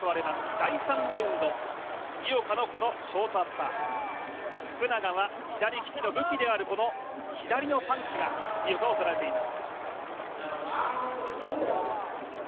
第３ラウンド井岡のこのショートアッパー、福永は左利きの武器であるこの左のパンチが井岡を捉えています。